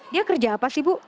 dia kerja apa sih bu